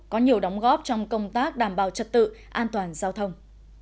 có nhiều đóng góp trong công tác đảm bảo trật tự an toàn giao thông